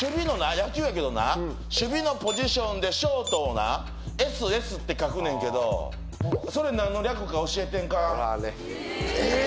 野球やけどな守備のポジションでショートをなＳＳって書くねんけどそれ何の略か教えてんかええー？